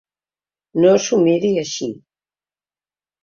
No s’ho miri així.